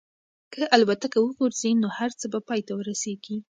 که الوتکه وغورځي نو هر څه به پای ته ورسېږي.